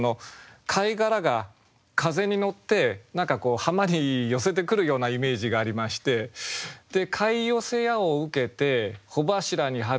貝殻が風に乗って何かこう浜に寄せてくるようなイメージがありましてで「貝寄風や」を受けて「帆柱に貼る千社札」と詠むと